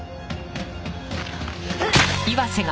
うっ！